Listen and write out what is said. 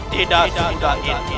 tidak sudah indra